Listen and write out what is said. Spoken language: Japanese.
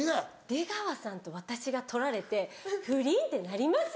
出川さんと私が撮られて不倫ってなります？